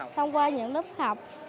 thông qua những lớp học